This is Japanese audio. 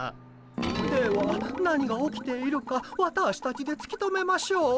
では何が起きているかワターシたちでつき止めましょう。